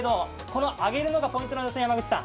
この揚げるのがポイントなんですね。